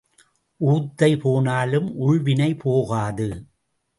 ஊத்தை போனாலும் உள்வினை போகாது.